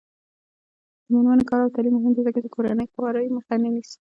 د میرمنو کار او تعلیم مهم دی ځکه چې کورنۍ خوارۍ مخه نیسي.